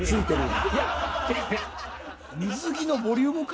水着のボリュームか？